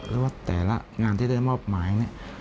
แล้วว่าแต่ละงานที่ได้มอบหมายเนี่ย